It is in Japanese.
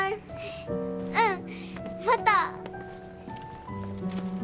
うんまた。